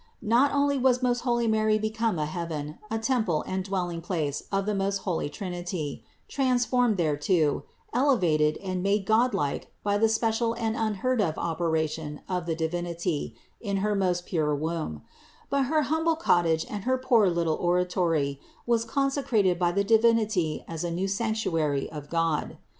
Not only was most holy Mary become a heaven, a temple and dwelling place of the most holy Trinity, transformed thereto, ele vated and made godlike by the special and unheard of operation of the Divinity in her most pure womb; but her humble cottage and her poor little oratory was con secrated by the Divinity as a new sanctuary of God.